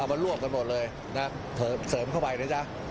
เอามารวบกันหมดเลยนะเสริมเข้าไปเลยจ๊ะ